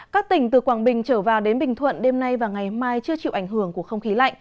các tỉnh từ quảng bình trở vào đến bình thuận đêm nay và ngày mai chưa chịu ảnh hưởng của không khí lạnh